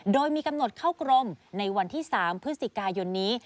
โดยมีกำหนดเข้ากรมในวันที่๓พฤศจิกายนนี้